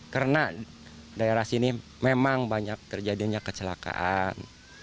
karena daerah sini memang banyak terjadinya kecelakaan